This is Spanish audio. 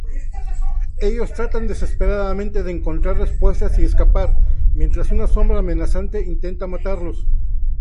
Ellos tratan desesperadamente de encontrar respuestas y escapar, mientras una sombra amenazante intenta matarlos.